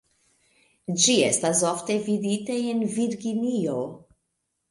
Ĝi estas ofte vidita en Virginio.